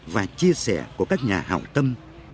và chia sẻ của các nhà hào tâm